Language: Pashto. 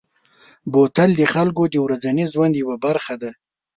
بوتل د خلکو د ورځني ژوند یوه برخه ده.